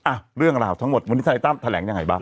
อ่ะเรื่องราวทั้งหมดวันนี้ทนายตั้มแถลงยังไงบ้าง